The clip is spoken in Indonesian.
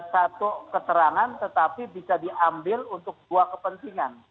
satu keterangan tetapi bisa diambil untuk dua kepentingan